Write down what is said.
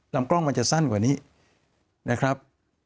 ลำกล้องมันจะสั้นกว่านี้นะครับ